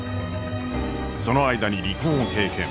その間に離婚を経験。